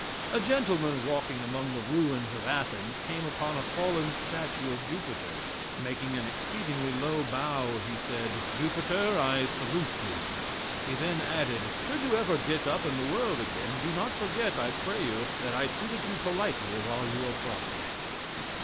A gentleman walking among the ruins of Athens came upon a fallen statue of Jupiter. Making an exceedingly low bow, he said: "Jupiter, I salute thee." He then added: "Should you ever get up in the world again, do not forget, I pray you, that I treated you politely while you were prostrate."